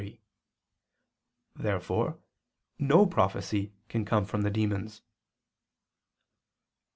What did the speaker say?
Therefore no prophecy can come from the demons.